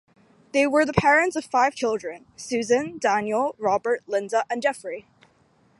They were the parents of five children, Susan, Daniel, Robert, Linda and Jeffrey.